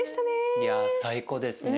いや最高ですね。